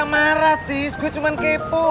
marah tis gue cuma kepo